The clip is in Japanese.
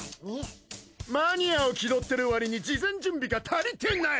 マニアを気取ってるわりに事前準備が足りてない。